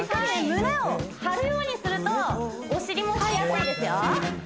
胸を張るようにするとお尻も引きやすいですよ